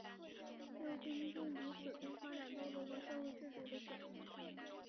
要尊重彼此对发展道路和社会制度的选择